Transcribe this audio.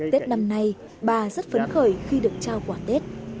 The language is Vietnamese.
tết năm nay bà rất phấn khởi khi được trao quả tết